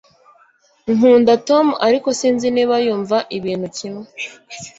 nkunda tom, ariko sinzi niba yumva ibintu kimwe